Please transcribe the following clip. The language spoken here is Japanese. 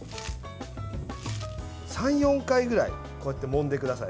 ３４回くらいこうやってもんでください。